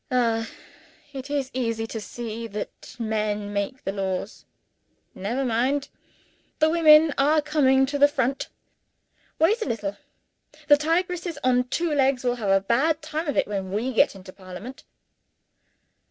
Ah, it is easy to see that the men make the laws. Never mind. The women are coming to the front. Wait a little. The tigresses on two legs will have a bad time of it when we get into Parliament.